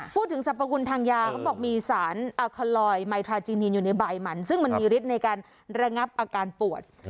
สรรพคุณทางยาเขาบอกมีสารอาคาลอยไมทราจีนินอยู่ในใบมันซึ่งมันมีฤทธิ์ในการระงับอาการปวด